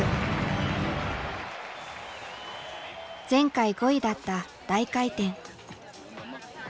前回５位だった大回転。